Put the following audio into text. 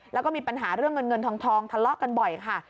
แล้วก็มีปัญหาเรื่องเงินเงินทองทะเลาะกันบ่อยค่ะ